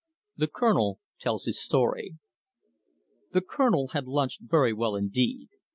THE COLONEL TELLS HIS STORY The Colonel had lunched very well indeed.